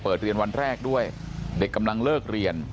เรียนวันแรกด้วยเด็กกำลังเลิกเรียน